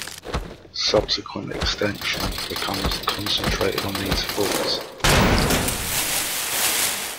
Subsequent extension becomes concentrated on these faults.